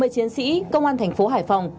ba mươi chiến sĩ công an thành phố hải phòng